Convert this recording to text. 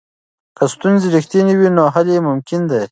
که ستونزې رښتینې وي نو حل یې ممکن دی.